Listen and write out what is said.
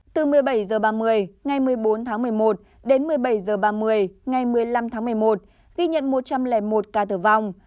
từ một mươi bảy h ba mươi ngày một mươi bốn tháng một mươi một đến một mươi bảy h ba mươi ngày một mươi năm tháng một mươi một ghi nhận một trăm linh một ca tử vong